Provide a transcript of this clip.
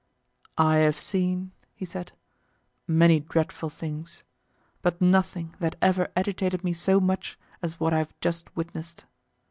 "I have seen," he said, "many dreadful things, but nothing that ever agitated me so much as what I have just witnessed.